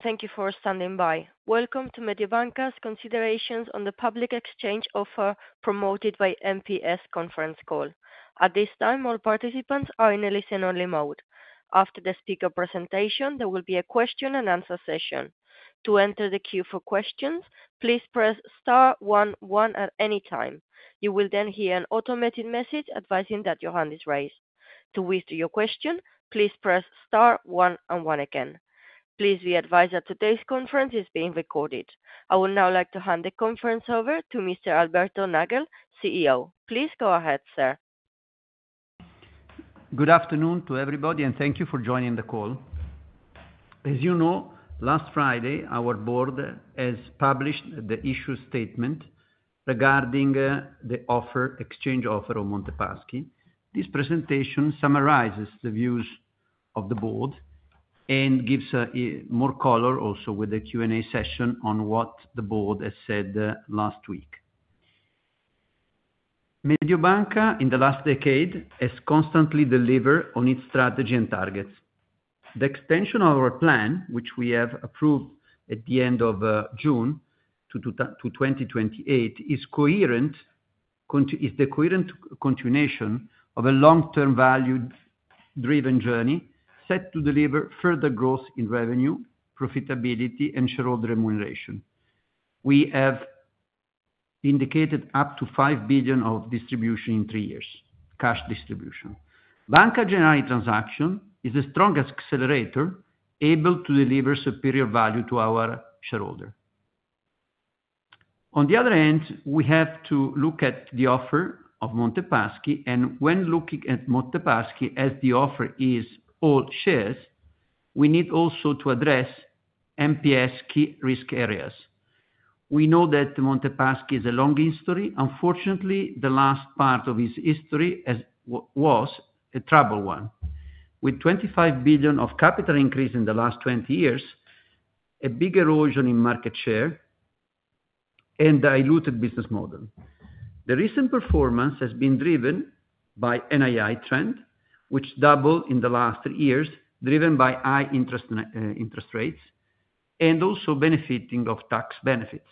Thank you for standing by. Welcome to Mediobanca's considerations on the public exchange offer promoted by MPS conference call. At this time, all participants are in a listen-only mode. After the speaker presentation, there will be a question-and-answer session. To enter the queue for questions, please press star one, one at any time. You will then hear an automated message advising that your hand is raised. To whisper your question, please press star one, and one again. Please be advised that today's conference is being recorded. I would now like to hand the conference over to Mr. Alberto Nagel, CEO. Please go ahead, sir. Good afternoon to everybody, and thank you for joining the call. As you know, last Friday, our board has published the issue statement regarding the exchange offer of Monte dei Paschi. This presentation summarizes the views of the board and gives more color also with the Q&A session on what the board has said last week. Mediobanca, in the last decade, has constantly delivered on its strategy and targets. The extension of our plan, which we have approved at the end of June to 2028, is coherent. Continuation of a long-term value-driven journey set to deliver further growth in revenue, profitability, and shareholder remuneration. We have indicated up to 5 billion of distribution in three years, cash distribution. Banca Generali transaction is the strongest accelerator able to deliver superior value to our shareholder. On the other hand, we have to look at the offer of Monte dei Paschi, and when looking at Monte dei Paschi as the offer is all shares, we need also to address MPS key risk areas. We know that Monte dei Paschi has a long history. Unfortunately, the last part of its history was a troubled one, with 25 billion of capital increase in the last 20 years, a big erosion in market share, and diluted business model. The recent performance has been driven by NII trend, which doubled in the last three years, driven by high interest rates and also benefiting from tax benefits.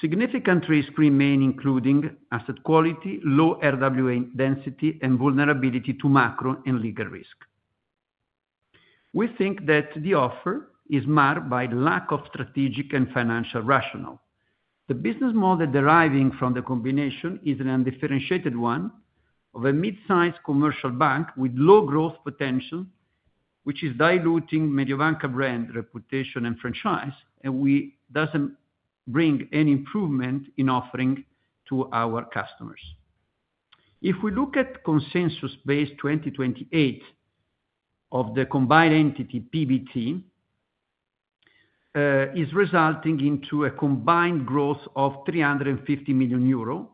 Significant risks remain, including asset quality, low RWA density, and vulnerability to macro and legal risk. We think that the offer is marked by lack of strategic and financial rationale. The business model deriving from the combination is an undifferentiated one of a mid-sized commercial bank with low growth potential, which is diluting Mediobanca brand reputation and franchise, and does not bring any improvement in offering to our customers. If we look at consensus-based 2028 of the combined entity PBT, it is resulting in a combined growth of 350 million euro.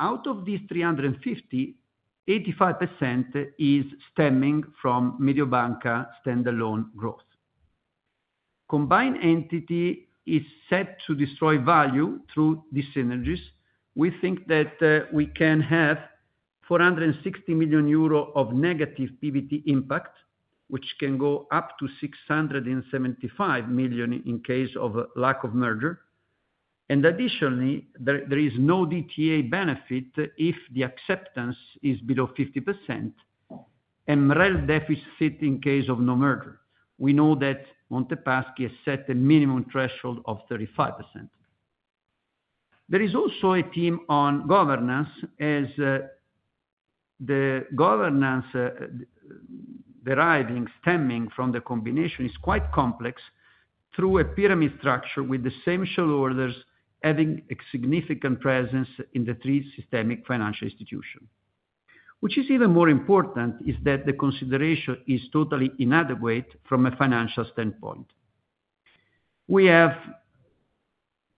Out of these 350, 85% is stemming from Mediobanca standalone growth. Combined entity is set to destroy value through these synergies. We think that we can have 460 million euro of negative PBT impact, which can go up to 675 million in case of lack of merger. Additionally, there is no DTA benefit if the acceptance is below 50%. And MREL deficit in case of no merger. We know that Monte Paschi has set a minimum threshold of 35%. There is also a theme on governance as the governance. Deriving stemming from the combination is quite complex through a pyramid structure with the same shareholders having a significant presence in the three systemic financial institutions. Which is even more important is that the consideration is totally inadequate from a financial standpoint. We have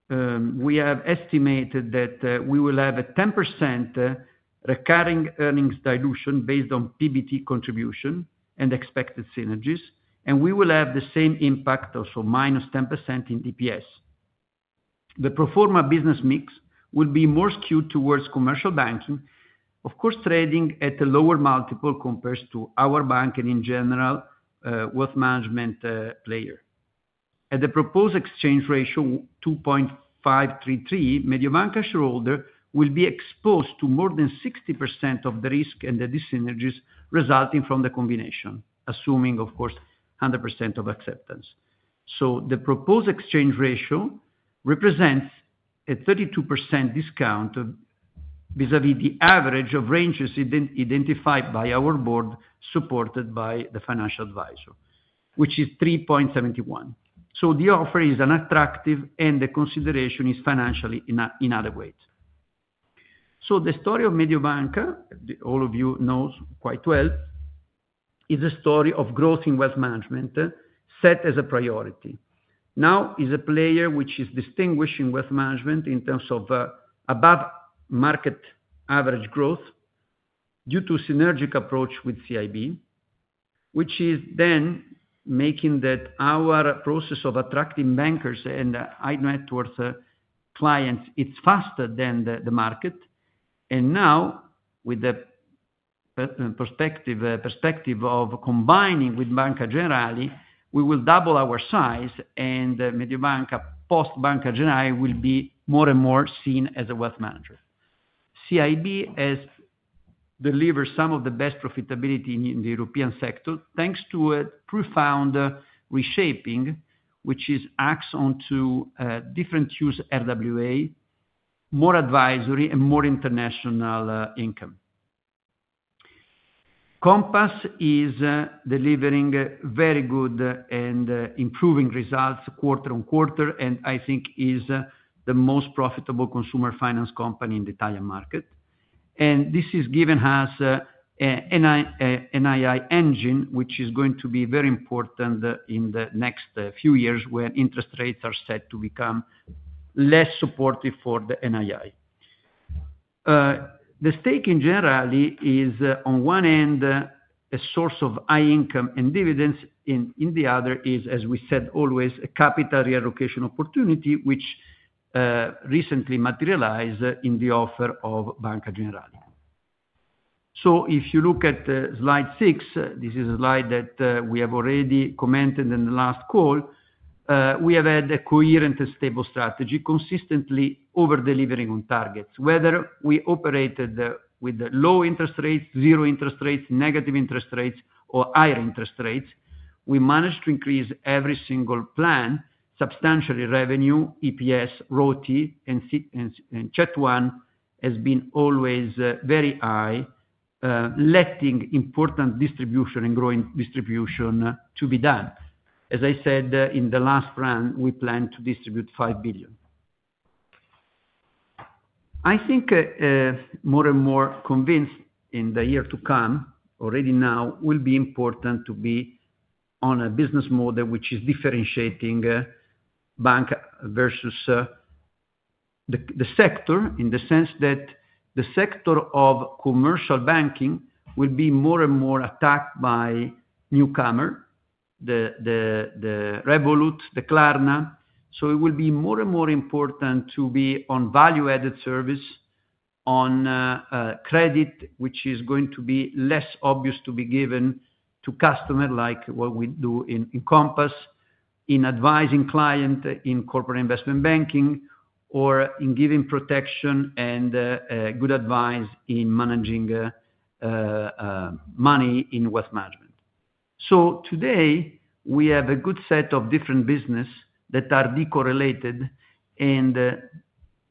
estimated that we will have a 10% recurring earnings dilution based on PBT contribution and expected synergies, and we will have the same impact of minus 10% in DPS. The proforma business mix will be more skewed towards commercial banking, of course trading at a lower multiple compared to our bank and in general wealth management player. At the proposed exchange ratio 2.533, Mediobanca shareholder will be exposed to more than 60% of the risk and the synergies resulting from the combination, assuming, of course, 100% of acceptance. The proposed exchange ratio represents a 32% discount. Vis-à-vis the average of ranges identified by our board supported by the financial advisor, which is 3.71. The offer is unattractive and the consideration is financially inadequate. The story of Mediobanca, all of you know quite well, is a story of growth in wealth management set as a priority. Now it is a player which is distinguishing wealth management in terms of above market average growth due to a synergic approach with CIB, which is then making that our process of attracting bankers and high net worth clients is faster than the market. Now with the perspective of combining with Banca Generali, we will double our size and Mediobanca post Banca Generali will be more and more seen as a wealth manager. CIB has delivered some of the best profitability in the European sector thanks to a profound reshaping, which acts onto different use RWA. More advisory, and more international income. Compass is delivering very good and improving results quarter on quarter, and I think is the most profitable consumer finance company in the Italian market. This is given as an NII engine, which is going to be very important in the next few years when interest rates are set to become less supportive for the NII. The stake in Generali is on one end a source of high income and dividends, and on the other is, as we said always, a capital reallocation opportunity, which recently materialized in the offer of Banca Generali. If you look at slide six, this is a slide that we have already commented on in the last call. We have had a coherent and stable strategy consistently over delivering on targets. Whether we operated with low interest rates, zero interest rates, negative interest rates, or higher interest rates, we managed to increase every single plan substantially. Revenue, EPS, ROTI, and CET1 have been always very high. Letting important distribution and growing distribution to be done. As I said in the last round, we plan to distribute 5 billion. I think. More and more convinced in the year to come, already now, will be important to be on a business model which is differentiating. Bank versus the sector in the sense that the sector of commercial banking will be more and more attacked by newcomer. The Revolut, the Klarna. It will be more and more important to be on value-added service, on. Credit, which is going to be less obvious to be given to customers like what we do in e Compass, in advising clients in corporate investment banking, or in giving protection and good advice in managing money in wealth management. Today, we have a good set of different businesses that are decorrelated.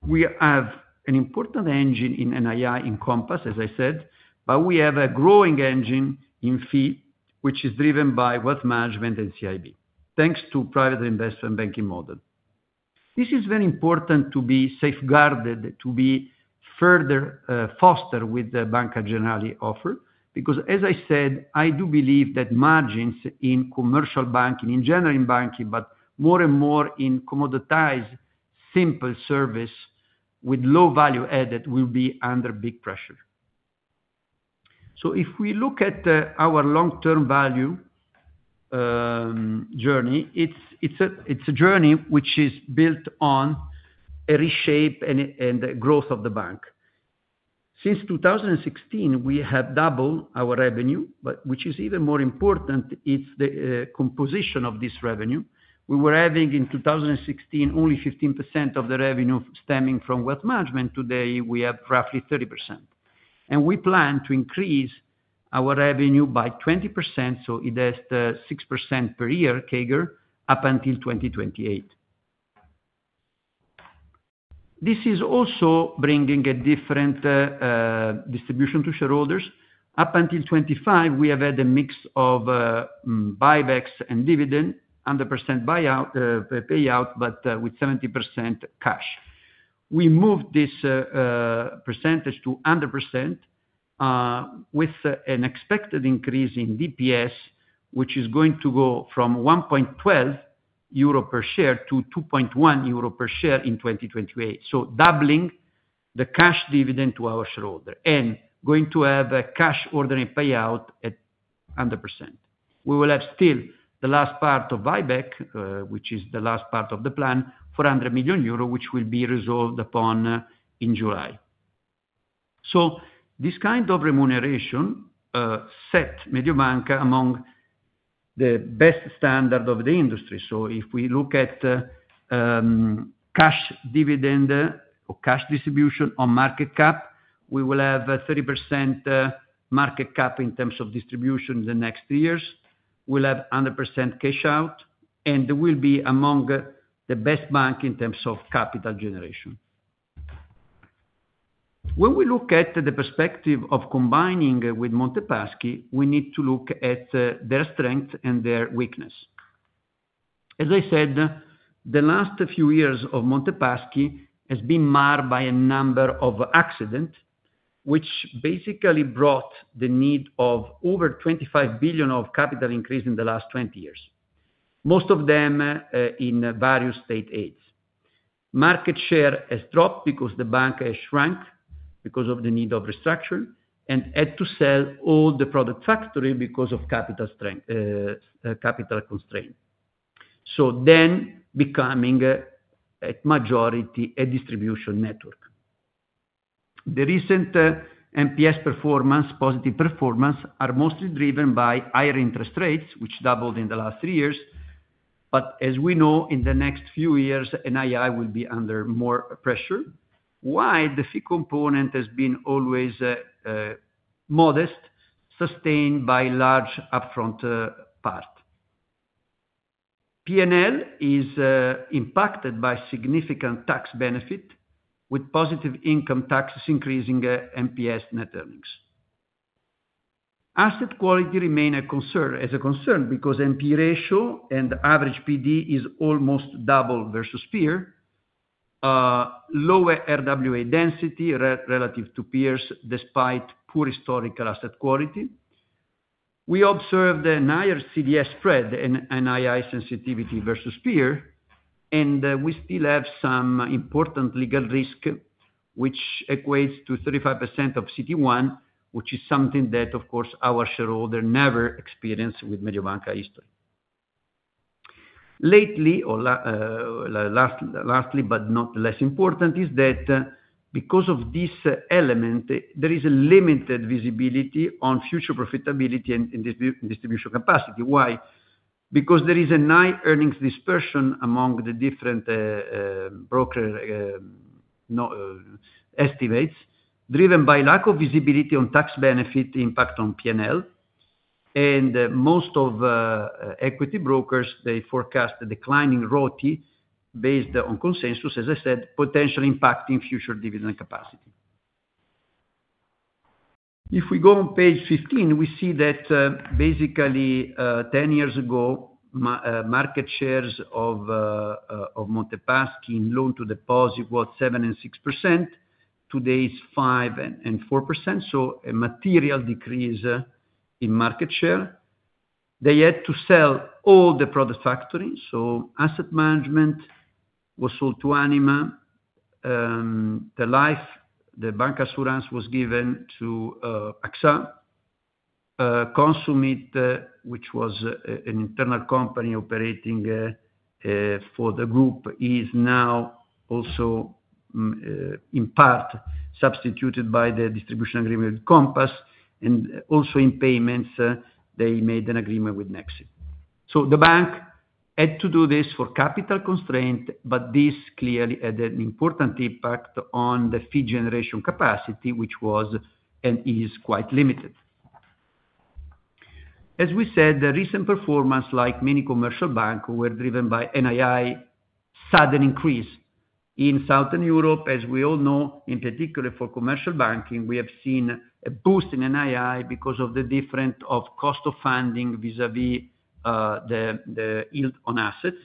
We have an important engine in NII in e Compass, as I said, but we have a growing engine in fee, which is driven by wealth management and CIB, thanks to private investment banking model. This is very important to be safeguarded, to be further fostered with the Banca Generali offer, because, as I said, I do believe that margins in commercial banking, in general banking, but more and more in commoditized simple service with low value-added will be under big pressure. If we look at our long-term value journey, it's a journey which is built on. A reshape and growth of the bank. Since 2016, we have doubled our revenue, but which is even more important, it's the composition of this revenue. We were having in 2016 only 15% of the revenue stemming from wealth management. Today, we have roughly 30%. We plan to increase our revenue by 20%, so it is 6% per year CAGR up until 2028. This is also bringing a different distribution to shareholders. Up until 2025, we have had a mix of buybacks and dividend, 100% payout, but with 70% cash. We moved this percentage to 100%, with an expected increase in DPS, which is going to go from 1.12 euro per share to 2.1 euro per share in 2028. Doubling the cash dividend to our shareholder and going to have a cash order payout at 100%. We will have still the last part of buyback, which is the last part of the plan, 400 million euro, which will be resolved upon in July. This kind of remuneration sets Mediobanca among the best standard of the industry. If we look at cash dividend or cash distribution on market cap, we will have 30% market cap in terms of distribution in the next three years. We will have 100% cash out, and we will be among the best bank in terms of capital generation. When we look at the perspective of combining with Monte dei Paschi, we need to look at their strength and their weakness. As I said, the last few years of Monte dei Paschi has been marred by a number of accidents, which basically brought the need of over 25 billion of capital increase in the last 20 years, most of them in various state aids. Market share has dropped because the bank has shrunk because of the need of restructure and had to sell all the product factory because of capital constraint. Then becoming a majority distribution network. The recent MPS performance, positive performance, are mostly driven by higher interest rates, which doubled in the last three years. As we know, in the next few years, NII will be under more pressure, while the fee component has been always modest, sustained by large upfront part. P&L is impacted by significant tax benefit, with positive income taxes increasing MPS net earnings. Asset quality remains a concern because MP ratio and average PD is almost double versus peer. Lower RWA density relative to peers despite poor historical asset quality. We observed a higher CDS spread and NII sensitivity versus peer, and we still have some important legal risk, which equates to 35% of CET1, which is something that, of course, our shareholder never experienced with Mediobanca history. Lately. Lastly, but not the less important, is that because of this element, there is a limited visibility on future profitability and distribution capacity. Why? Because there is a high earnings dispersion among the different broker estimates driven by lack of visibility on tax benefit impact on P&L. And most of equity brokers, they forecast a declining ROTI based on consensus, as I said, potentially impacting future dividend capacity. If we go on page 15, we see that basically 10 years ago market shares of Monte dei Paschi in loan to deposit were 7% and 6%. Today it's 5% and 4%, so a material decrease in market share. They had to sell all the product factories. Asset management was sold to Anima. The life, the bancassurance, was given to AXA. Consumit, which was an internal company operating for the group, is now also in part substituted by the distribution agreement with Compass. Also, in payments, they made an agreement with Nexi. The bank had to do this for capital constraint, but this clearly had an important impact on the fee generation capacity, which was and is quite limited. As we said, the recent performance, like many commercial banks, was driven by NII. Sudden increase in Southern Europe. As we all know, in particular for commercial banking, we have seen a boost in NII because of the difference of cost of funding vis-à-vis the yield on assets.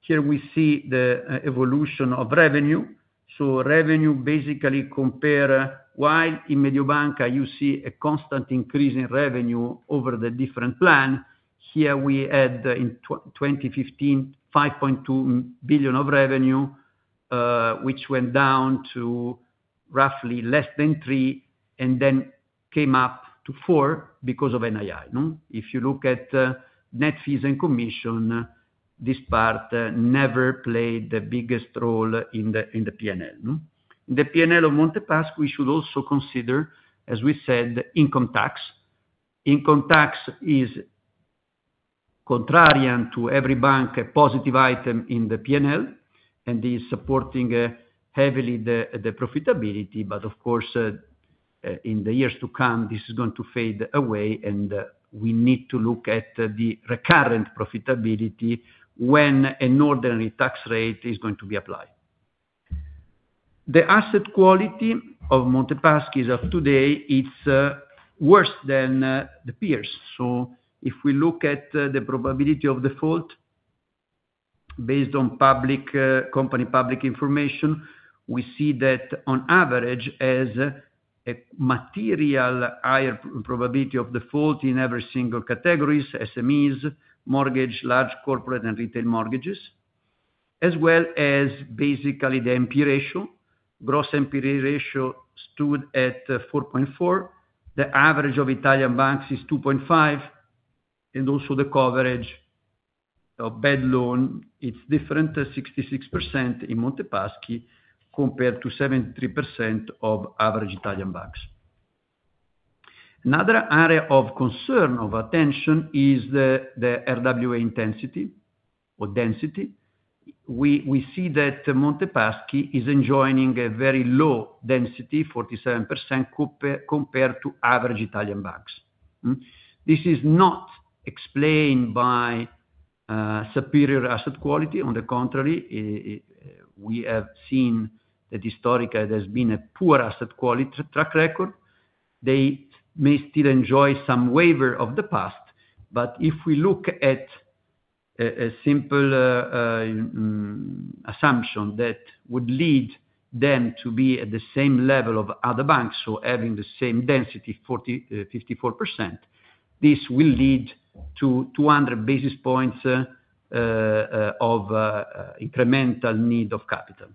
Here we see the evolution of revenue. Revenue basically compared, while in Mediobanca you see a constant increase in revenue over the different plan. Here we had in 2015, 5.2 billion of revenue, which went down to roughly less than 3 billion and then came up to 4 billion because of NII. If you look at net fees and commission, this part never played the biggest role in the P&L. In the P&L of Monte dei Paschi, we should also consider, as we said, income tax. Income tax is, contrarian to every bank, a positive item in the P&L, and it is supporting heavily the profitability. Of course, in the years to come, this is going to fade away, and we need to look at the recurrent profitability when an ordinary tax rate is going to be applied. The asset quality of Monte dei Paschi as of today, it is worse than the peers. If we look at the probability of default. Based on company public information, we see that on average, as a material higher probability of default in every single category, SMEs, mortgage, large corporate, and retail mortgages, as well as basically the MP ratio, gross MP ratio stood at 4.4. The average of Italian banks is 2.5. Also the coverage of bad loan, it's different to 66% in Monte dei Paschi compared to 73% of average Italian banks. Another area of concern of attention is the RWA intensity or density. We see that Monte dei Paschi is enjoying a very low density, 47%, compared to average Italian banks. This is not explained by superior asset quality. On the contrary. We have seen that historically there's been a poor asset quality track record. They may still enjoy some waiver of the past. If we look at a simple. Assumption that would lead them to be at the same level of other banks, so having the same density, 54%. This will lead to 200 basis points of incremental need of capital.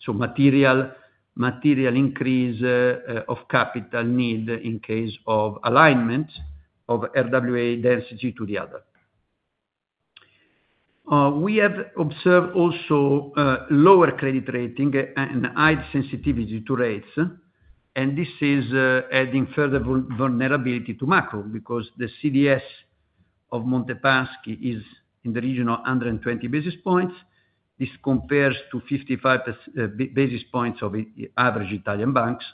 So material increase of capital need in case of alignment of RWA density to the other. We have observed also lower credit rating and high sensitivity to rates. This is adding further vulnerability to macro because the CDS of Monte dei Paschi is in the region of 120 basis points. This compares to 55 basis points of average Italian banks.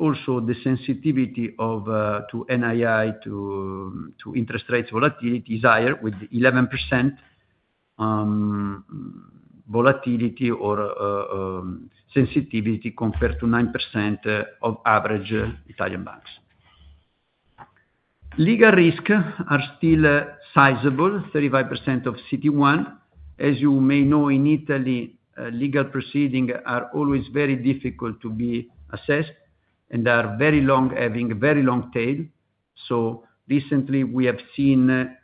Also the sensitivity to NII to interest rate volatility is higher with 11% volatility or sensitivity compared to 9% of average Italian banks. Legal risks are still sizable, 35% of CET1. As you may know, in Italy, legal proceedings are always very difficult to be assessed and are very long, having a very long tail. Recently, we have seen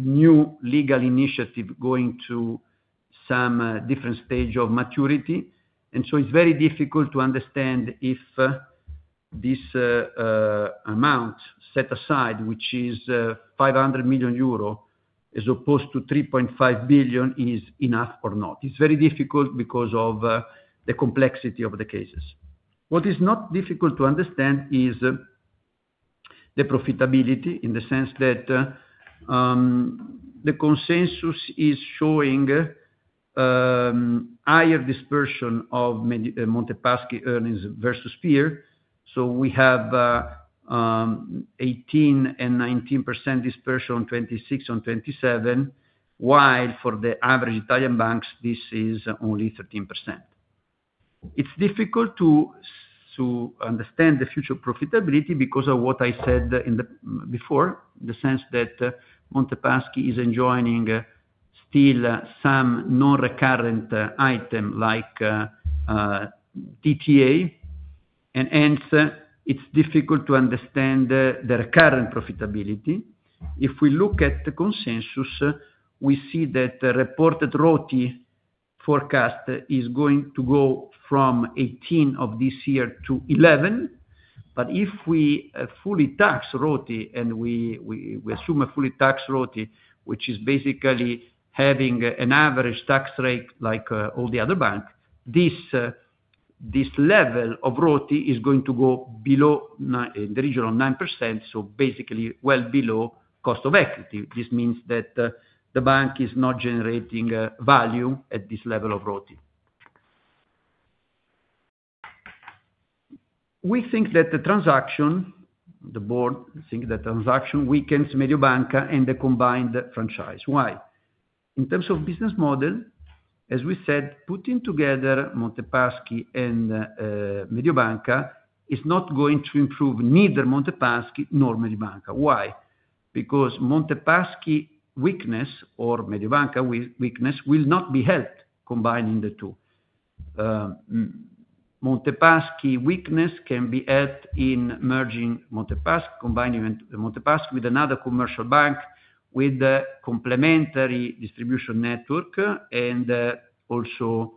new legal initiatives going to some different stage of maturity. It is very difficult to understand if this amount set aside, which is 500 million euro as opposed to 3.5 billion, is enough or not. It is very difficult because of the complexity of the cases. What is not difficult to understand is the profitability in the sense that the consensus is showing higher dispersion of Monte dei Paschi earnings versus peer. We have 18% and 19% dispersion on 26% and 27%. For the average Italian banks, this is only 13%. It is difficult to understand the future profitability because of what I said before, in the sense that Monte dei Paschi is enjoying still some non-recurrent item like DTA. Hence, it is difficult to understand the recurrent profitability. If we look at the consensus, we see that the reported ROTI forecast is going to go from 18% this year to 11%. If we fully tax ROTI and we assume a fully taxed ROTI, which is basically having an average tax rate like all the other banks, this level of ROTI is going to go below, in the region of 9%, so basically well below cost of equity. This means that the bank is not generating value at this level of ROTI. We think that the transaction, the board thinks that the transaction weakens Mediobanca and the combined franchise. Why? In terms of business model, as we said, putting together Monte dei Paschi and Mediobanca is not going to improve neither Monte dei Paschi nor Mediobanca. Why? Because Monte dei Paschi weakness or Mediobanca weakness will not be helped combining the two. Monte dei Paschi weakness can be helped in merging Monte dei Paschi, combining dei Monte Paschi with another commercial bank with a complementary distribution network and also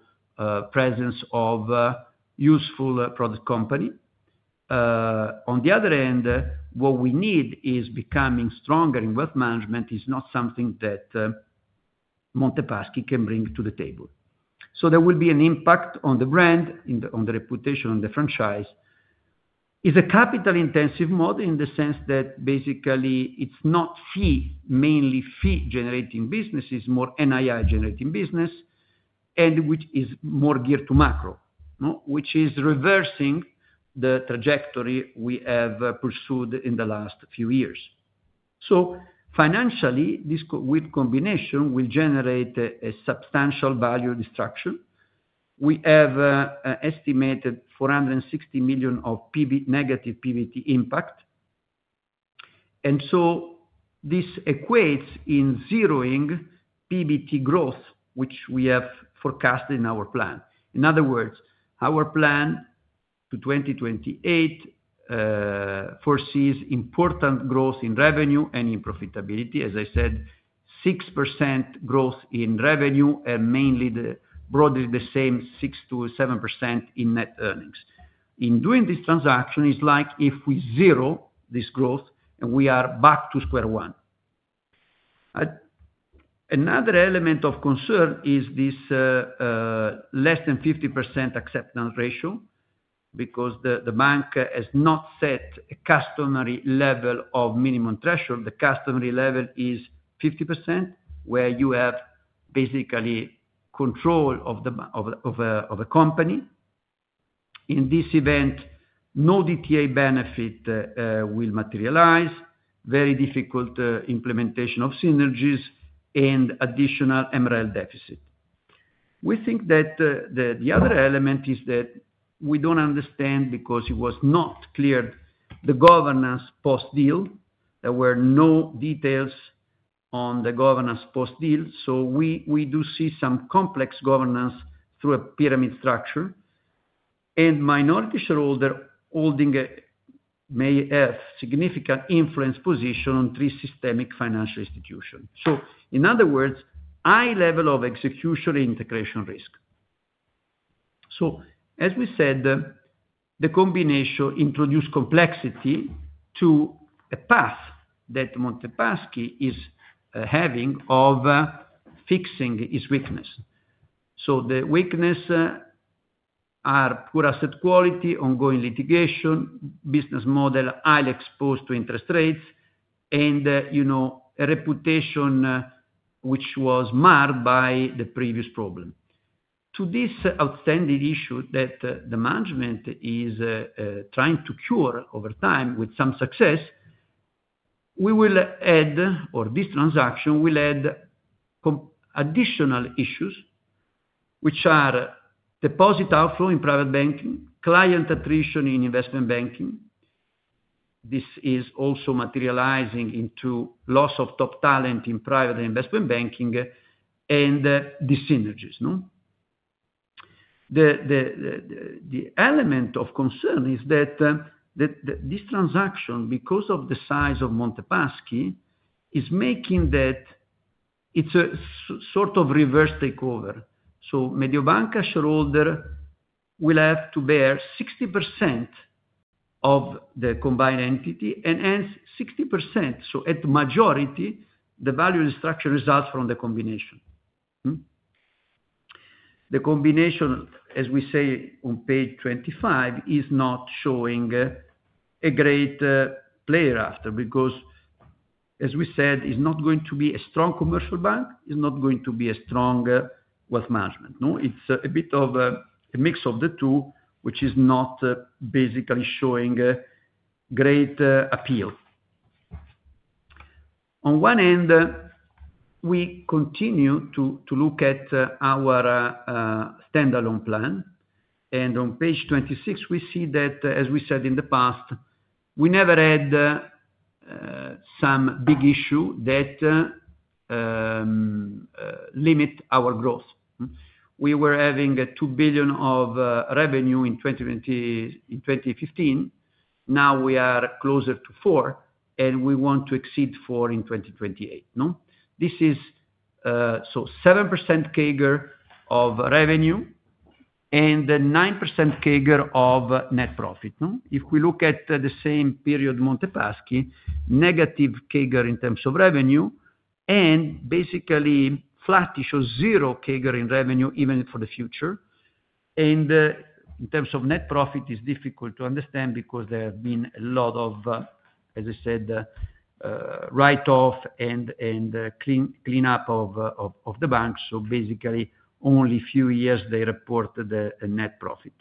presence of useful product company. On the other hand, what we need is becoming stronger in wealth management is not something that Monte dei Paschi can bring to the table. There will be an impact on the brand, on the reputation, on the franchise. It is a capital-intensive model in the sense that basically it is not mainly fee-generating business, it is more NII-generating business, which is more geared to macro, which is reversing the trajectory we have pursued in the last few years. Financially, this combination will generate a substantial value destruction. We have estimated 460 million of negative PBT impact. This equates in zeroing PBT growth, which we have forecasted in our plan. In other words, our plan to 2028. Foresees important growth in revenue and in profitability. As I said, 6% growth in revenue and mainly broadly the same 6%-7% in net earnings. In doing this transaction, it's like if we zero this growth and we are back to square one. Another element of concern is this. Less than 50% acceptance ratio because the bank has not set a customary level of minimum threshold. The customary level is 50%, where you have basically control of a company. In this event, no DTA benefit will materialize, very difficult implementation of synergies, and additional MREL deficit. We think that the other element is that we don't understand because it was not clear the governance post-deal. There were no details on the governance post-deal. We do see some complex governance through a pyramid structure. And minority shareholder holding may have a significant influence position on three systemic financial institutions. In other words, high level of execution integration risk. As we said, the combination introduced complexity to a path that Monte Paschi is having of fixing its weakness. The weaknesses are poor asset quality, ongoing litigation, business model highly exposed to interest rates, and a reputation which was marred by the previous problem. To this outstanding issue that the management is trying to cure over time with some success, we will add, or this transaction will add, additional issues, which are deposit outflow in private banking, client attrition in investment banking. This is also materializing into loss of top talent in private investment banking, and the synergies. The element of concern is that this transaction, because of the size of Monte Paschi, is making that it's a sort of reverse takeover. Mediobanca shareholder will have to bear 60% of the combined entity and hence 60%. At majority, the value destruction results from the combination. The combination, as we say on page 25, is not showing. A great player after because, as we said, it's not going to be a strong commercial bank, it's not going to be a strong wealth management. It's a bit of a mix of the two, which is not basically showing great appeal. On one end, we continue to look at our standalone plan. On page 26, we see that, as we said in the past, we never had some big issue that limits our growth. We were having 2 billion of revenue in 2015. Now we are closer to 4 billion, and we want to exceed 4 billion in 2028. This is a 7% CAGR of revenue and 9% CAGR of net profit. If we look at the same period, Monte Paschi, negative CAGR in terms of revenue, and basically flat, it shows zero CAGR in revenue even for the future. In terms of net profit, it's difficult to understand because there have been a lot of, as I said, write-off and clean-up of the bank. Basically, only a few years they reported a net profit.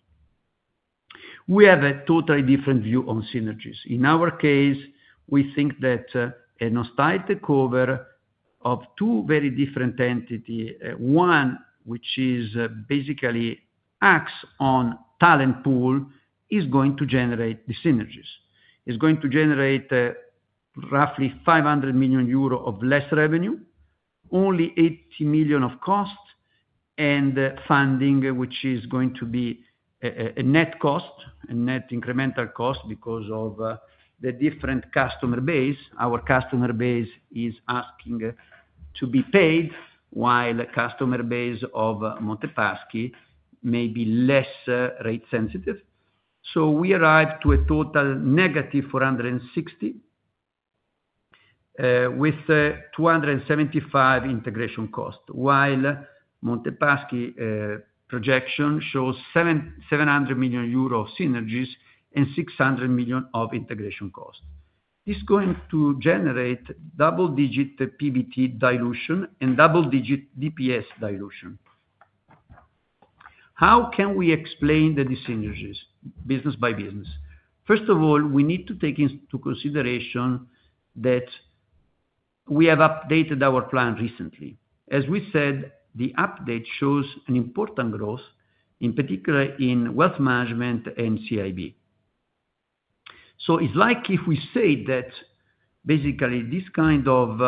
We have a totally different view on synergies. In our case, we think that a nostalgic cover of two very different entities, one which basically acts on talent pool, is going to generate the synergies. It's going to generate roughly 500 million euro of less revenue, only 80 million of cost. Funding, which is going to be a net cost, a net incremental cost because of the different customer base. Our customer base is asking to be paid, while the customer base of Monte dei Paschi may be less rate-sensitive. We arrived to a total negative 460. With 275 integration cost, while Monte dei Paschi projection shows 700 million euro of synergies and 600 million of integration cost. This is going to generate double-digit PBT dilution and double-digit DPS dilution. How can we explain the synergies business by business? First of all, we need to take into consideration that we have updated our plan recently. As we said, the update shows important growth, in particular in Wealth Management and CIB. It is like if we say that basically this kind of,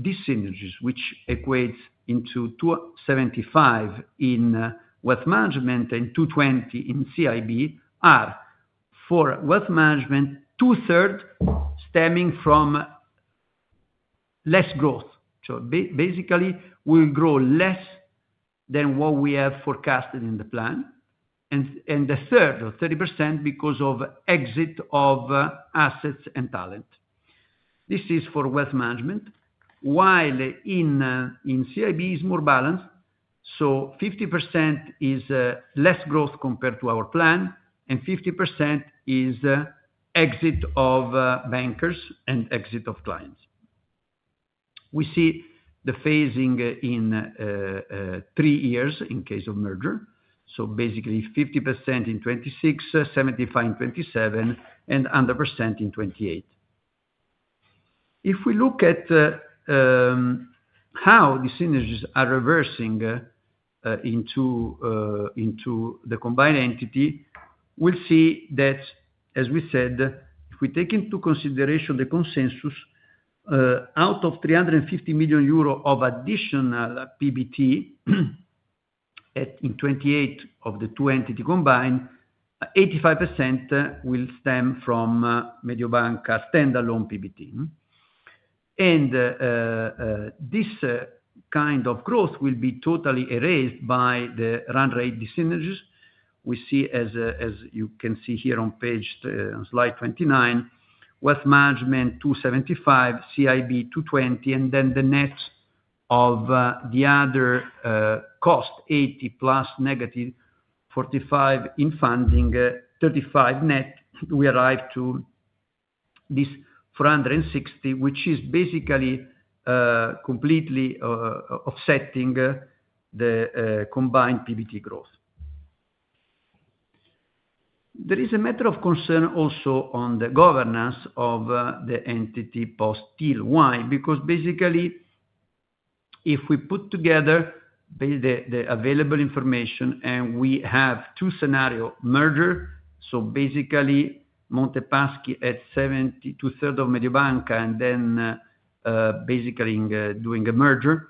these synergies, which equates into 275 million in Wealth Management and 220 million in CIB, are for Wealth Management two-thirds stemming from less growth. Basically, we will grow less than what we have forecasted in the plan. The third, or 30%, is because of exit of assets and talent. This is for wealth management. In CIB, it is more balanced. So 50% is less growth compared to our plan, and 50% is exit of bankers and exit of clients. We see the phasing in three years in case of merger. Basically, 50% in '26, 75% in '27, and 100% in '28. If we look at how the synergies are reversing into the combined entity, we will see that, as we said, if we take into consideration the consensus, out of 350 million euro of additional PBT in '28 of the two entities combined, 85% will stem from Mediobanca standalone PBT. This kind of growth will be totally erased by the run rate synergies. We see, as you can see here on slide 29, wealth management 275 million, CIB 220 million, and then the net of the other. Cost, 80 plus negative 45 in funding, 35 net, we arrive to. This 460, which is basically. Completely. Offsetting. The combined PBT growth. There is a matter of concern also on the governance of the entity post-deal. Why? Because basically. If we put together. The available information and we have two scenarios, merger, so basically Monte dei Paschi at two-thirds of Mediobanca and then. Basically doing a merger,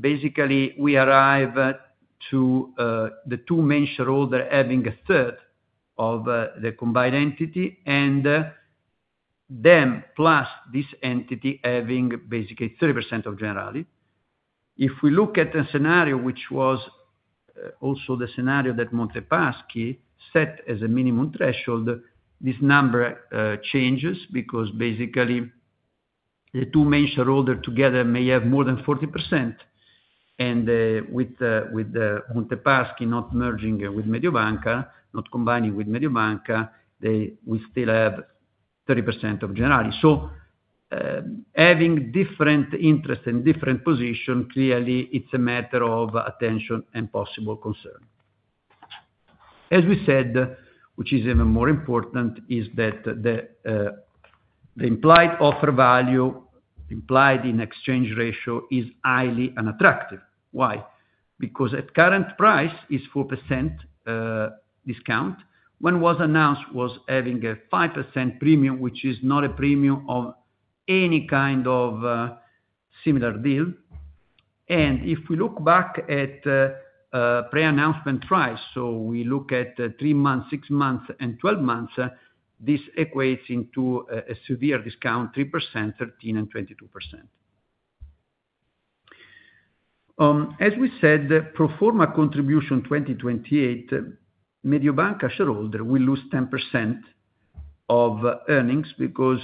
basically we arrive to. The two main shareholders having a third of the combined entity and. Them plus this entity having basically 30% of Generali. If we look at a scenario, which was. Also the scenario that Monte dei Paschi set as a minimum threshold, this number changes because basically. The two main shareholders together may have more than 40%. And with. Monte dei Paschi not merging with Mediobanca, not combining with Mediobanca. We still have 30% of Generali. Having different interests and different positions, clearly, it's a matter of attention and possible concern. As we said, which is even more important, is that the implied offer value, implied in exchange ratio, is highly unattractive. Why? Because at current price, it's a 4% discount. When it was announced, it was having a 5% premium, which is not a premium of any kind of similar deal. If we look back at pre-announcement price, so we look at 3 months, 6 months, and 12 months, this equates into a severe discount, 3%, 13%, and 22%. As we said, Proforma Contribution 2028, Mediobanca shareholder will lose 10% of earnings because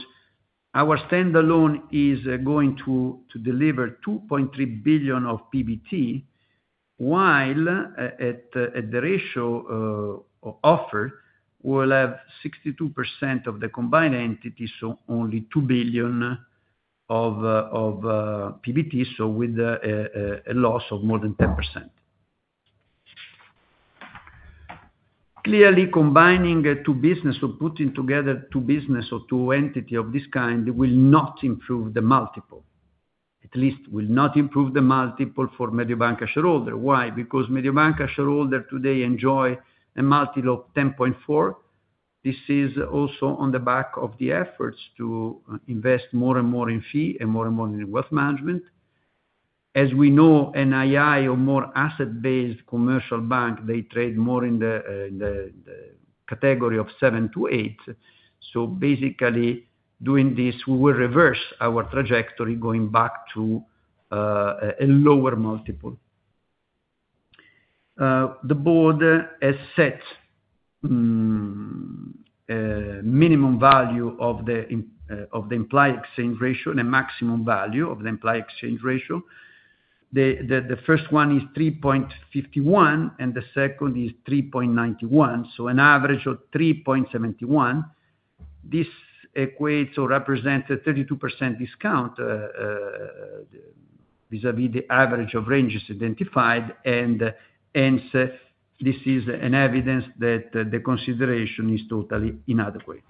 our standalone is going to deliver 2.3 billion of PBT. While at the ratio offer, we'll have 62% of the combined entity, so only 2 billion of PBT, so with a loss of more than 10%. Clearly, combining two businesses or putting together two businesses or two entities of this kind will not improve the multiple. At least will not improve the multiple for Mediobanca shareholder. Why? Because Mediobanca shareholders today enjoy a multiple of 10.4. This is also on the back of the efforts to invest more and more in fee and more and more in wealth management. As we know, NII or more asset-based commercial banks, they trade more in the category of 7-8. Basically, doing this, we will reverse our trajectory going back to a lower multiple. The board has set minimum value of the implied exchange ratio and a maximum value of the implied exchange ratio. The first one is 3.51, and the second is 3.91, so an average of 3.71. This equates or represents a 32% discount vis-à-vis the average of ranges identified. Hence, this is evidence that the consideration is totally inadequate.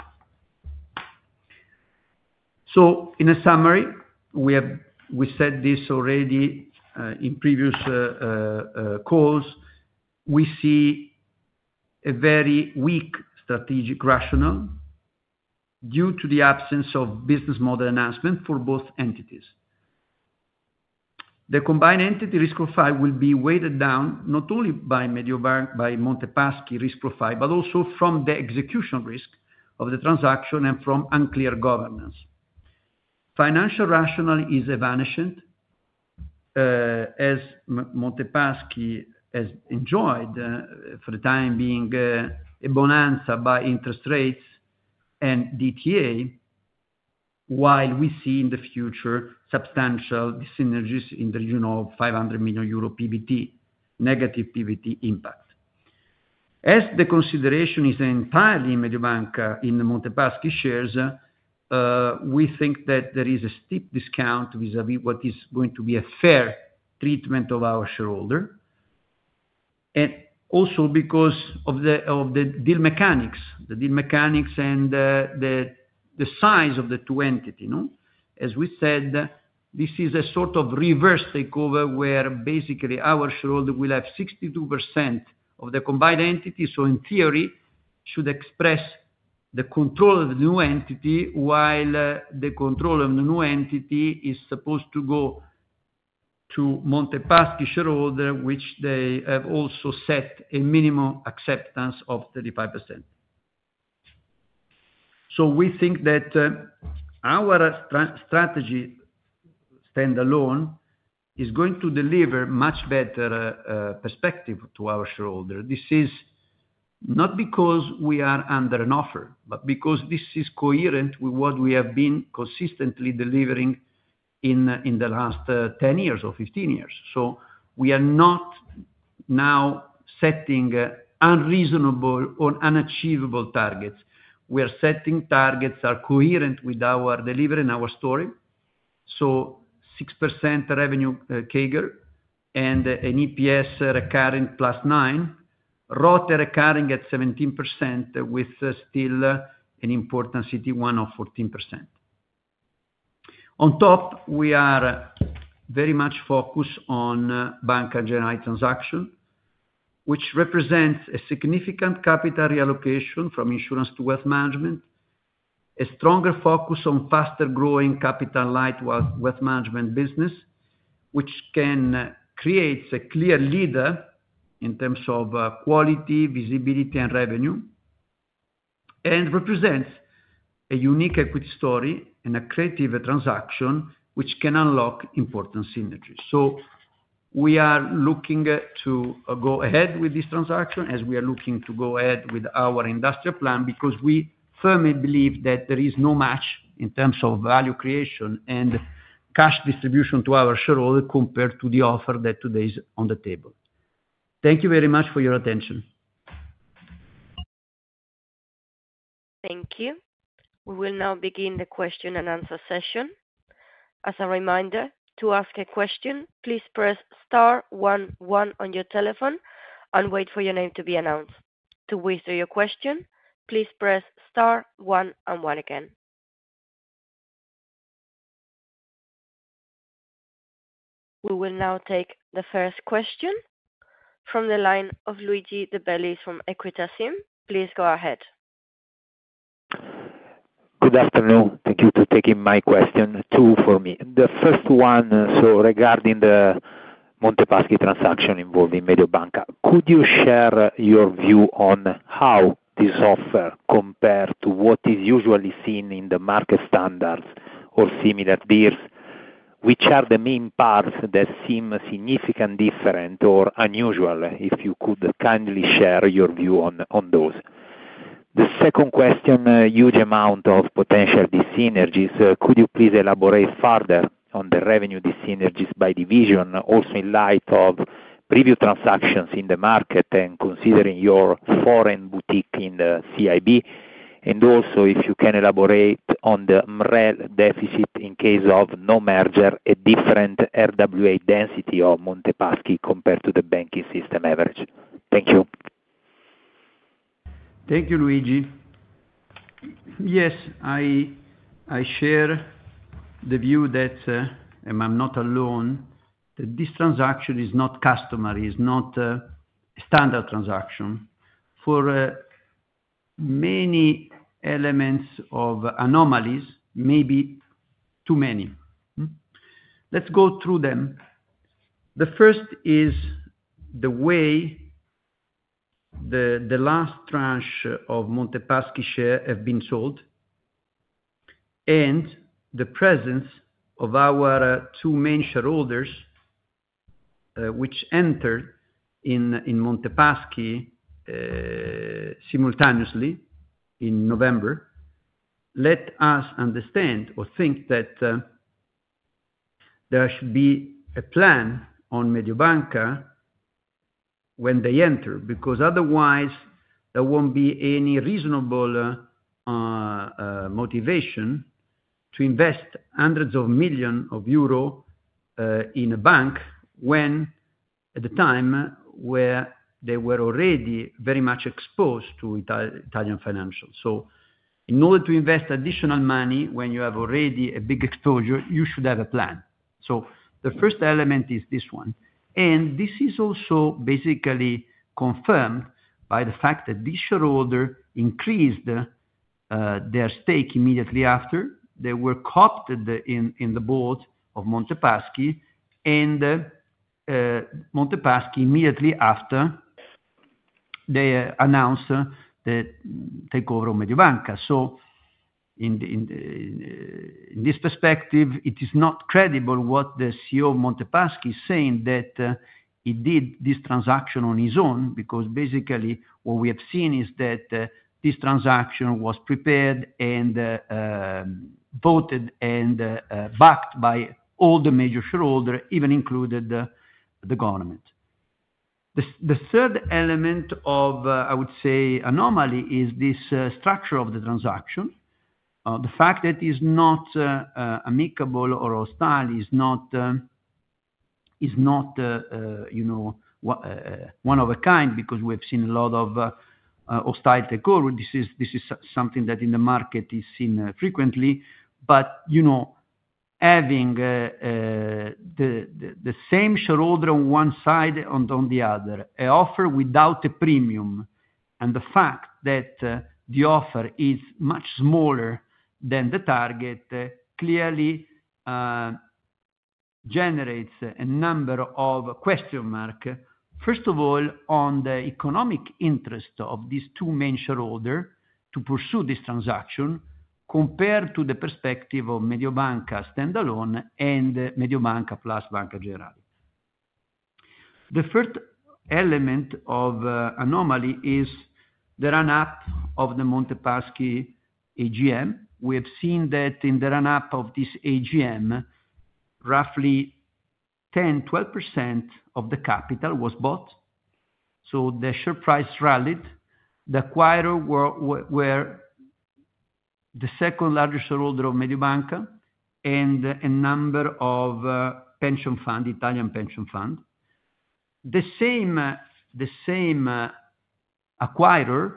In summary, we said this already in previous calls. We see a very weak strategic rationale due to the absence of business model announcement for both entities. The combined entity risk profile will be weighted down not only by Monte dei Paschi risk profile, but also from the execution risk of the transaction and from unclear governance. Financial rationale is evanescent, as Monte dei Paschi has enjoyed for the time being a bonanza by interest rates and DTA. While we see in the future substantial synergies in the region of 500 million euro PVT, negative PVT impact, as the consideration is entirely Mediobanca in Monte dei Paschi shares. We think that there is a steep discount vis-à-vis what is going to be a fair treatment of our shareholder, and also because of the deal mechanics, the deal mechanics and. The size of the two entities. As we said, this is a sort of reverse takeover where basically our shareholder will have 62% of the combined entity, so in theory, should express the control of the new entity, while the control of the new entity is supposed to go to Monte dei Paschi shareholder, which they have also set a minimum acceptance of 35%. We think that our strategy standalone is going to deliver a much better perspective to our shareholder. This is not because we are under an offer, but because this is coherent with what we have been consistently delivering in the last 10 years or 15 years. We are not now setting unreasonable or unachievable targets. We are setting targets that are coherent with our delivery and our story. 6% revenue CAGR and an EPS recurring plus 9. ROTI recurring at 17% with still an important CET1 of 14%. On top, we are very much focused on bank and JNI transaction, which represents a significant capital reallocation from insurance to wealth management. A stronger focus on faster-growing capital light wealth management business, which can create a clear leader in terms of quality, visibility, and revenue, and represents a unique equity story and a creative transaction which can unlock important synergies. We are looking to go ahead with this transaction as we are looking to go ahead with our industrial plan because we firmly believe that there is no match in terms of value creation and cash distribution to our shareholder compared to the offer that today is on the table. Thank you very much for your attention. Thank you. We will now begin the question and answer session. As a reminder, to ask a question, please press star one one on your telephone and wait for your name to be announced. To withdraw your question, please press star one one again. We will now take the first question from the line of Luigi De Bellis from Equita SIM. Please go ahead. Good afternoon. Thank you for taking my question too for me. The first one, so regarding the Monte Paschi transaction involving Mediobanca, could you share your view on how this offer compares to what is usually seen in the market standards or similar tiers? Which are the main parts that seem significantly different or unusual? If you could kindly share your view on those. The second question, huge amount of potential synergies. Could you please elaborate further on the revenue synergies by division, also in light of previous transactions in the market and considering your foreign boutique in the CIB? If you can elaborate on the MREL deficit in case of no merger at different RWA density of Monte Paschi compared to the banking system average. Thank you. Thank you, Luigi. Yes, I share the view that I am not alone, that this transaction is not customary, is not a standard transaction for many elements of anomalies, maybe too many. Let's go through them. The first is the way the last tranche of Monte dei Paschi share has been sold and the presence of our two main shareholders, which entered in Monte dei Paschi simultaneously in November. Let us understand or think that there should be a plan on Mediobanca when they enter because otherwise, there will not be any reasonable motivation to invest hundreds of millions of EUR in a bank when, at the time, they were already very much exposed to Italian financials. In order to invest additional money when you have already a big exposure, you should have a plan. The first element is this one. This is also basically confirmed by the fact that these shareholders increased their stake immediately after they were copied in the board of Monte dei Paschi. Monte dei Paschi, immediately after, announced the takeover of Mediobanca. In this perspective, it is not credible what the CEO of Monte dei Paschi is saying, that he did this transaction on his own, because basically what we have seen is that this transaction was prepared and voted and backed by all the major shareholders, even including the government. The third element of, I would say, anomaly is this structure of the transaction. The fact that it is not amicable or hostile is not one of a kind, because we have seen a lot of hostile takeovers. This is something that in the market is seen frequently. Having the same shareholder on one side and on the other, an offer without a premium, and the fact that the offer is much smaller than the target clearly generates a number of question marks. First of all, on the economic interest of these two main shareholders to pursue this transaction compared to the perspective of Mediobanca standalone and Mediobanca plus Banca Generali. The third element of anomaly is the run-up of the Monte dei Paschi AGM. We have seen that in the run-up of this AGM, roughly 10%-12% of the capital was bought. So the share price rallied. The acquirer were the second largest shareholder of Mediobanca and a number of Italian pension funds. The same acquirer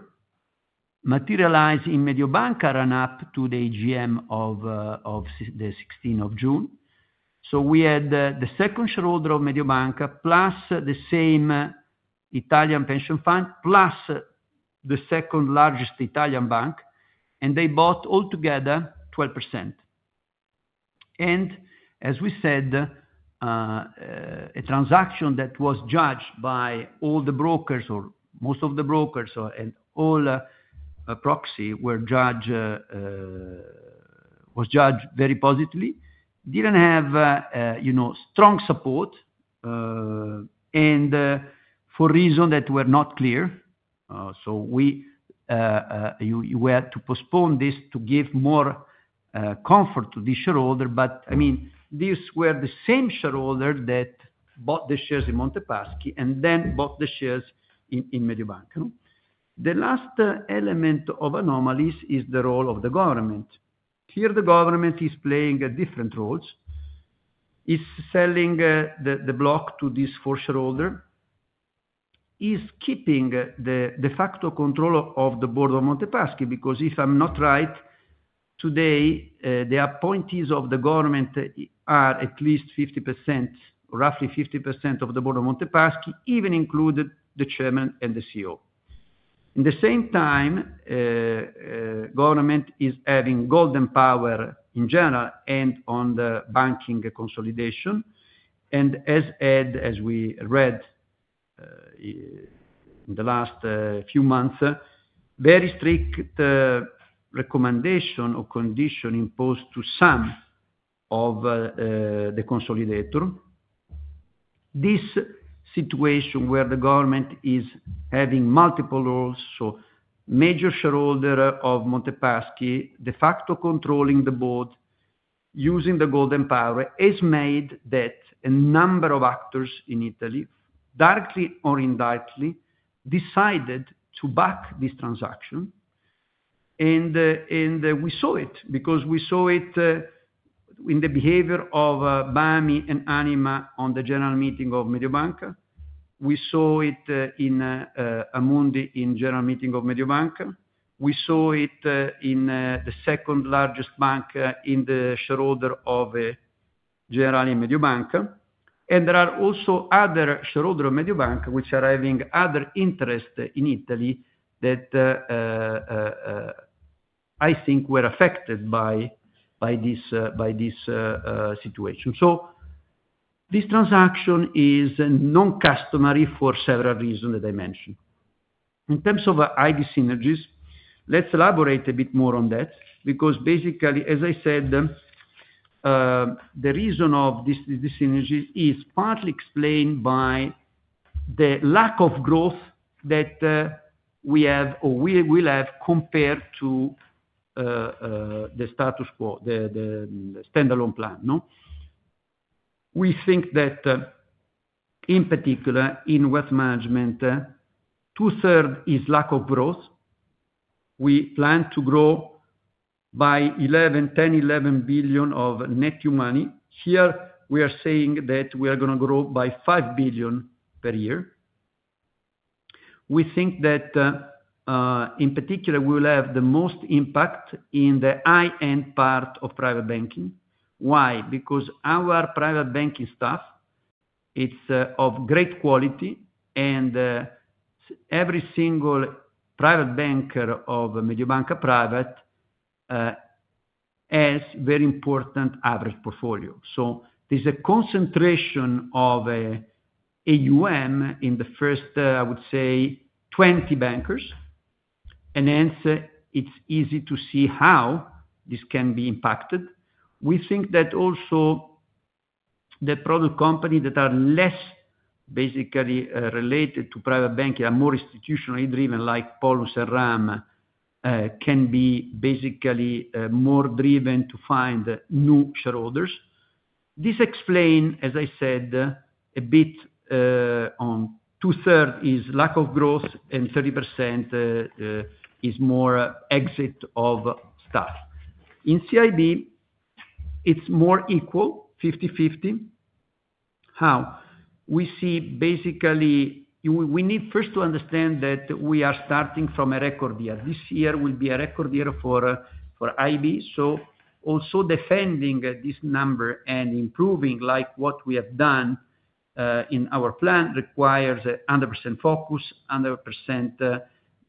materialized in Mediobanca run-up to the AGM of the 16th of June. We had the second shareholder of Mediobanca plus the same Italian pension fund plus the second largest Italian bank, and they bought altogether 12%. As we said, a transaction that was judged by all the brokers or most of the brokers and all proxies was judged very positively, but it did not have strong support for reasons that were not clear. We were to postpone this to give more comfort to these shareholders. I mean, these were the same shareholders that bought the shares in Banc Monte dei Paschi di Siena and then bought the shares in Mediobanca. The last element of anomalies is the role of the government. Here, the government is playing different roles. It is selling the block to this four-shareholder group. It is keeping the de facto control of the board of Monte dei Paschi because, if I am not right, today, the appointees of the government. Are at least 50%, roughly 50% of the board of Monte dei Paschi, even including the Chairman and the CEO. At the same time, the government is having golden power in general and on the banking consolidation. As we read in the last few months, very strict recommendation or condition imposed to some of the consolidator. This situation where the government is having multiple roles, so major shareholder of Monte Paschi, de facto controlling the board, using the golden power, has made that a number of actors in Italy, directly or indirectly, decided to back this transaction. We saw it because we saw it in the behavior of Monte dei Paschi and Anima on the general meeting of Mediobanca. We saw it in Amundi in the general meeting of Mediobanca. We saw it in the second largest bank in the shareholder of Generali Mediobanca. There are also other shareholders of Mediobanca which are having other interests in Italy that I think were affected by this situation. This transaction is non-customary for several reasons that I mentioned. In terms of ID synergies, let's elaborate a bit more on that because basically, as I said, the reason of this synergy is partly explained by the lack of growth that we have or will have compared to the status quo, the standalone plan. We think that, in particular, in wealth management, two-third is lack of growth. We plan to grow by 10-11 billion of net new money. Here, we are saying that we are going to grow by 5 billion per year. We think that, in particular, we will have the most impact in the high-end part of private banking. Why? Because our private banking staff is of great quality. Every single. Private banker of Mediobanca Private. Has a very important average portfolio. There is a concentration of AUM in the first, I would say, 20 bankers. Hence, it is easy to see how this can be impacted. We think that also the product companies that are less basically related to private banking, are more institutionally driven, like Polus and RAM, can be basically more driven to find new shareholders. This explains, as I said, a bit. On two-thirds is lack of growth and 30% is more exit of staff. In CIB, it is more equal, 50/50. How? We see basically, we need first to understand that we are starting from a record year. This year will be a record year for IB. Also, defending this number and improving like what we have done in our plan requires 100% focus, 100%.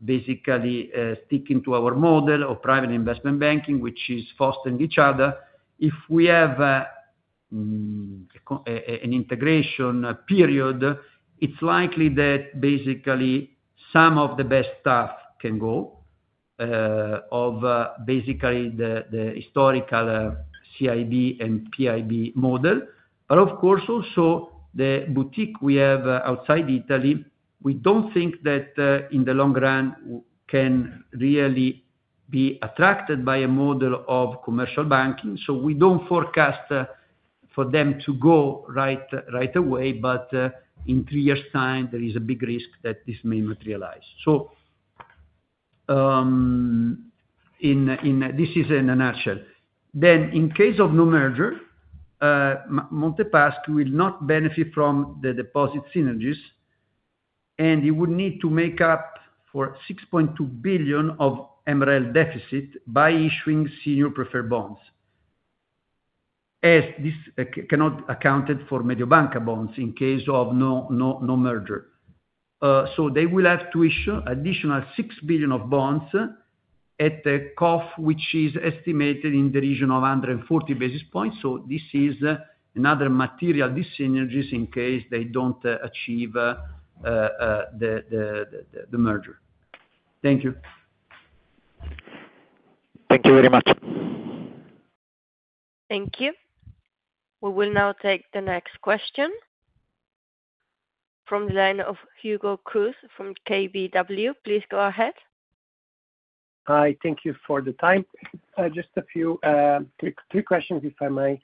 Basically sticking to our model of private investment banking, which is fostering each other. If we have an integration period, it's likely that basically some of the best staff can go, of basically the historical CIB and PIB model. Of course, also the boutique we have outside Italy, we don't think that in the long run can really be attracted by a model of commercial banking. We don't forecast for them to go right away, but in three years' time, there is a big risk that this may materialize. This is in a nutshell. In case of no merger, Monte dei Paschi will not benefit from the deposit synergies, and it would need to make up for 6.2 billion of MREL deficit by issuing senior preferred bonds, as this cannot account for Mediobanca bonds in case of no merger. They will have to issue additional 6 billion of bonds at a COF, which is estimated in the region of 140 basis points. This is another material disynergy in case they do not achieve the merger. Thank you. Thank you very much. Thank you. We will now take the next question from the line of Hugo Cruz from KBW. Please go ahead. Hi. Thank you for the time. Just a few quick three questions, if I may.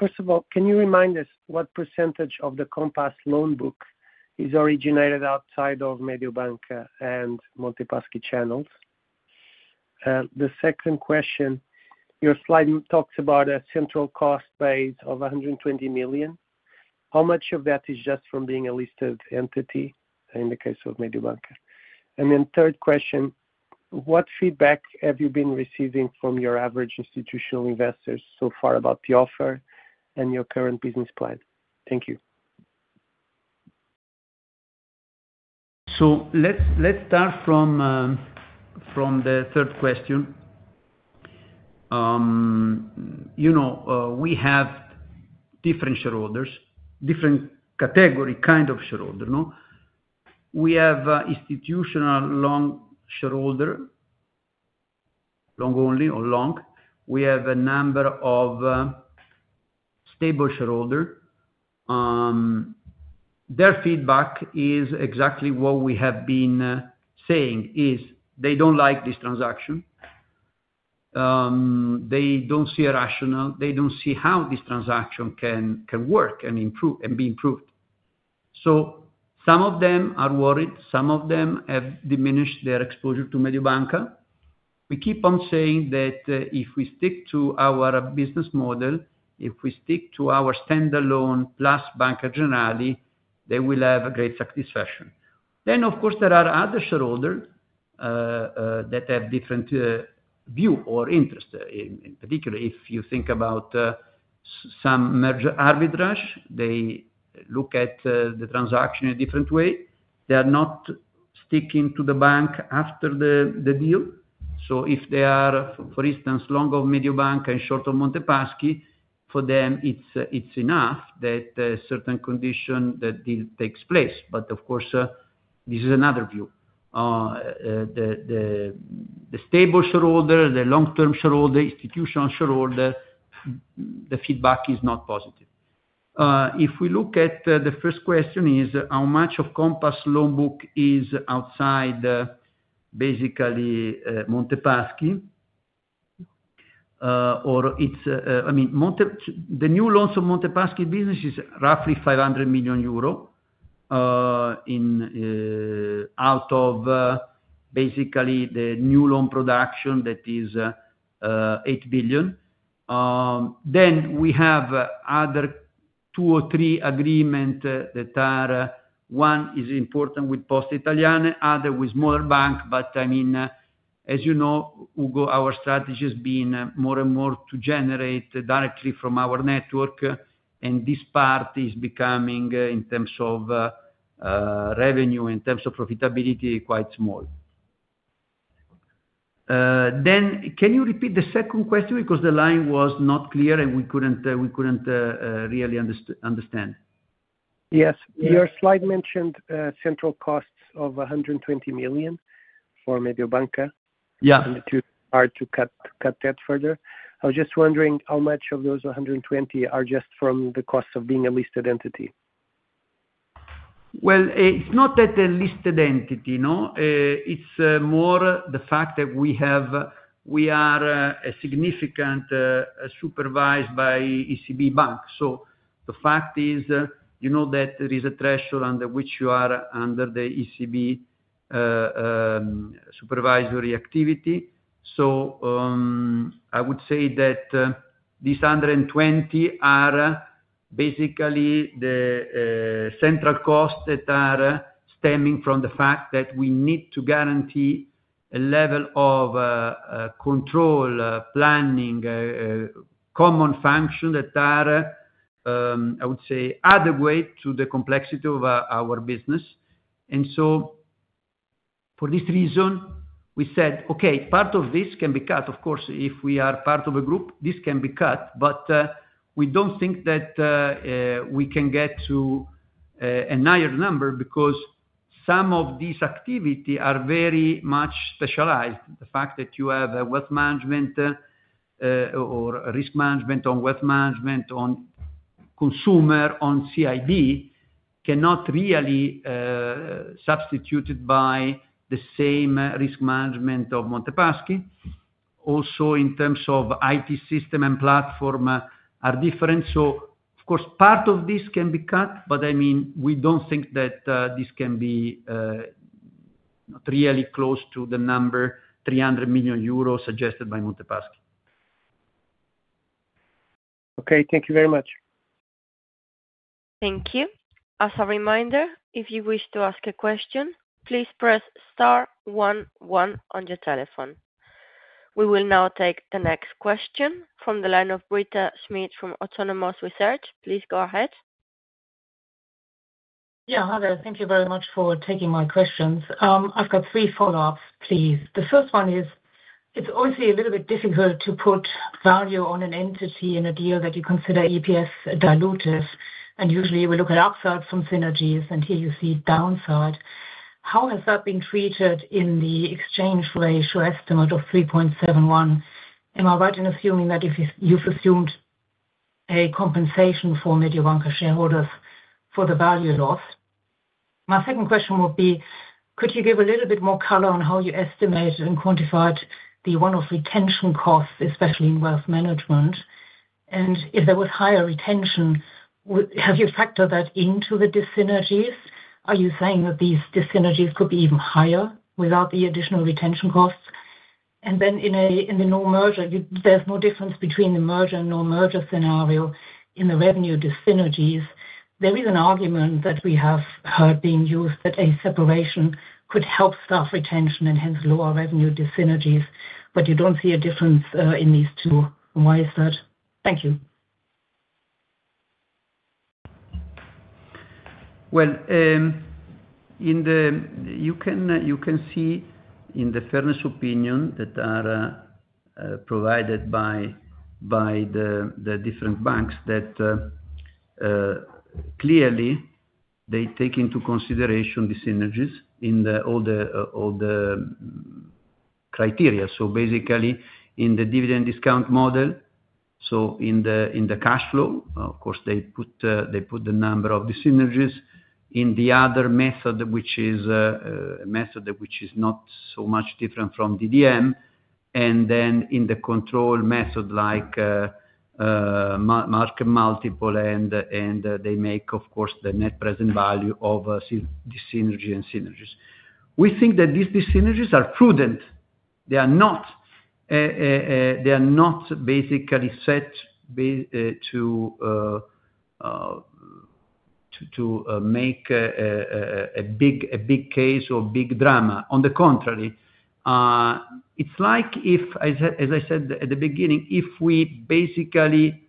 First of all, can you remind us what percentage of the Compass loan book is originated outside of Mediobanca and Monte dei Paschi channels? The second question, your slide talks about a central cost base of 120 million. How much of that is just from being a listed entity in the case of Mediobanca? Third question, what feedback have you been receiving from your average institutional investors so far about the offer and your current business plan? Thank you. Let's start from the third question. We have different shareholders, different category kind of shareholder. We have institutional long shareholder, long only or long. We have a number of stable shareholders. Their feedback is exactly what we have been saying, is they do not like this transaction. They do not see a rationale. They do not see how this transaction can work and be improved. Some of them are worried. Some of them have diminished their exposure to Mediobanca. We keep on saying that if we stick to our business model, if we stick to our standalone plus Banca Generali, they will have great satisfaction. Of course, there are other shareholders that have different view or interest. In particular, if you think about. Some merger arbitrage, they look at the transaction in a different way. They are not sticking to the bank after the deal. If they are, for instance, long of Mediobanca and short of Monte dei Paschi, for them, it's enough that a certain condition that deal takes place. Of course, this is another view. The stable shareholder, the long-term shareholder, institutional shareholder. The feedback is not positive. If we look at the first question, it is how much of Compass loan book is outside. Basically Monte dei Paschi. Or it's, I mean, the new loans of Monte Paschi business is roughly 500 million euro. Out of basically the new loan production that is 8 billion. We have other two or three agreements that are, one is important with Poste Italiane, other with smaller bank. I mean, as you know, Hugo, our strategy has been more and more to generate directly from our network. This part is becoming, in terms of revenue, in terms of profitability, quite small. Can you repeat the second question? Because the line was not clear and we could not really understand. Yes. Your slide mentioned central costs of 120 million for Mediobanca? And it is hard to cut that further. I was just wondering how much of those 120 are just from the cost of being a listed entity? It is not that the listed entity, it is more the fact that we are a significant, supervised by ECB bank. The fact is that there is a threshold under which you are under the ECB supervisory activity. I would say that these 120 are basically the. Central costs that are stemming from the fact that we need to guarantee a level of control, planning, common function that are, I would say, other way to the complexity of our business. For this reason, we said, "Okay, part of this can be cut." Of course, if we are part of a group, this can be cut. We don't think that we can get to a higher number because some of these activities are very much specialized. The fact that you have a wealth management or risk management on wealth management, on consumer, on CIB, cannot really substitute it by the same risk management of Monte dei Paschi. Also, in terms of IT system and platform, are different. Of course, part of this can be cut. I mean, we don't think that this can be. Not really close to the number 300 million euros suggested by Monte dei Paschi. Okay. Thank you very much. .Thank you. As a reminder, if you wish to ask a question, please press star one one on your telephone. We will now take the next question from the line of Britta Schmidt from Autonomous Research. Please go ahead. Yeah, hello. Thank you very much for taking my questions. I've got three follow-ups, please. The first one is, it's obviously a little bit difficult to put value on an entity in a deal that you consider EPS diluted. And usually, we look at upside from synergies, and here you see downside. How has that been treated in the exchange ratio estimate of 3.71? Am I right in assuming that you've assumed a compensation for Mediobanca shareholders for the value loss? My second question would be, could you give a little bit more color on how you estimated and quantified the one-off retention costs, especially in Wealth Management? If there was higher retention, have you factored that into the disynergies? Are you saying that these disynergies could be even higher without the additional retention costs? In the no merger, there is no difference between the merger and no merger scenario in the revenue disynergies. There is an argument that we have heard being used that a separation could help staff retention and hence lower revenue disynergies, but you do not see a difference in these two. Why is that? Thank you. You can see in the fairness opinion that are provided by the different banks that clearly they take into consideration the synergies in all the criteria. Basically, in the dividend discount model, in the cash flow, of course, they put the number of the synergies. In the other method, which is a method not so much different from DDM, and then in the control method, like market multiple, they make, of course, the net present value of disynergy and synergies. We think that these disynergies are prudent. They are not basically set to make a big case or big drama. On the contrary, it's like if, as I said at the beginning, if we basically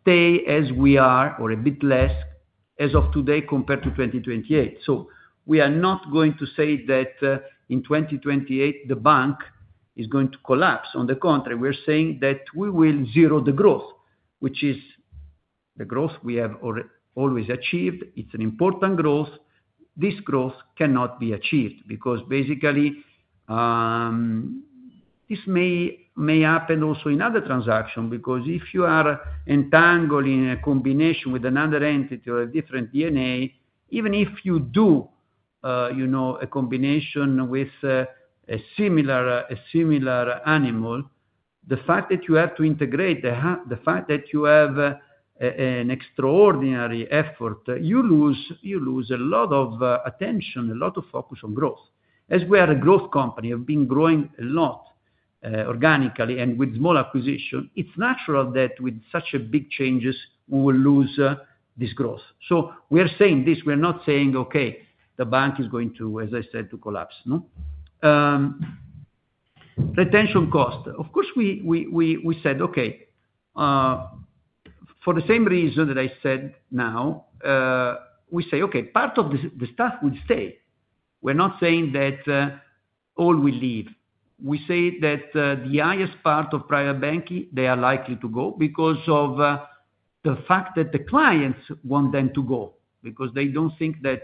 stay as we are or a bit less as of today compared to 2028. We are not going to say that in 2028, the bank is going to collapse. On the contrary, we're saying that we will zero the growth, which is the growth we have always achieved. It's an important growth. This growth cannot be achieved because basically. This may happen also in other transactions. Because if you are entangled in a combination with another entity or a different DNA, even if you do a combination with a similar animal, the fact that you have to integrate, the fact that you have an extraordinary effort, you lose a lot of attention, a lot of focus on growth. As we are a growth company, we've been growing a lot organically and with small acquisitions, it's natural that with such big changes, we will lose this growth. We are saying this. We are not saying, "Okay, the bank is going to, as I said, collapse." Retention cost. Of course, we said, "Okay." For the same reason that I said now. We say, "Okay, part of the staff will stay." We're not saying that all will leave. We say that the highest part of private banking, they are likely to go because of the fact that the clients want them to go because they do not think that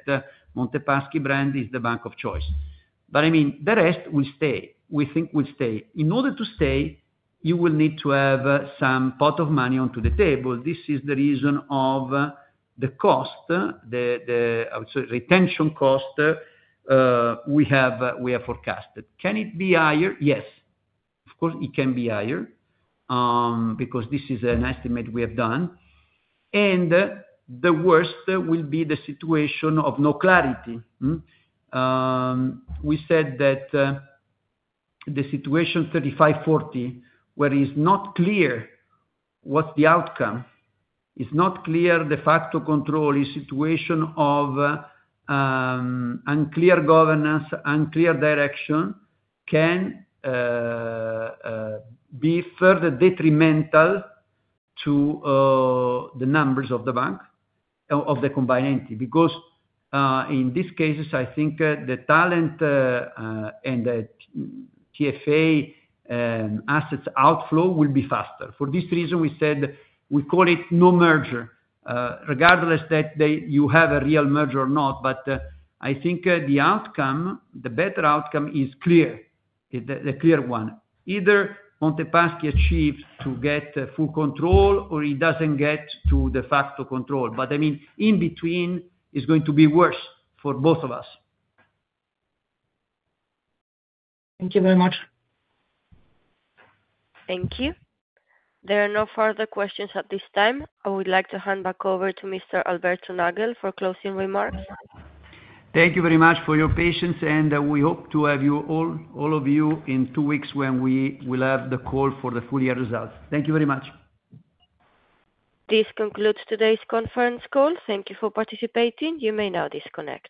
Monte dei Paschi brand is the bank of choice. I mean, the rest will stay. We think will stay. In order to stay, you will need to have some pot of money onto the table. This is the reason of the cost, the, I would say, retention cost we have forecasted. Can it be higher? Yes. Of course, it can be higher because this is an estimate we have done. The worst will be the situation of no clarity. We said that the situation 3540, where it is not clear what is the outcome, it is not clear the fact of control, is a situation of unclear governance, unclear direction. Can be further detrimental to the numbers of the bank. Of the combined entity. Because in these cases, I think the talent and the TFA assets outflow will be faster. For this reason, we said we call it no merger, regardless that you have a real merger or not. I think the outcome, the better outcome is clear, the clear one. Either Monte dei Paschi achieves to get full control or it does not get to the fact of control. I mean, in between, it is going to be worse for both of us. Thank you very much. Thank you. There are no further questions at this time. I would like to hand back over to Mr. Alberto Nagel for closing remarks. Thank you very much for your patience. We hope to have all of you in two weeks when we will have the call for the full year results. Thank you very much. This concludes today's conference call. Thank you for participating. You may now disconnect.